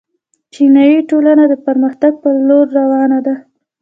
چینايي ټولنه د پرمختګ په لور روانه ده.